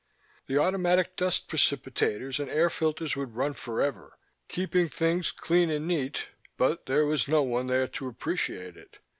The automatic dust precipitators and air filters would run forever, keeping things clean and neat; but there was no one there to appreciate it.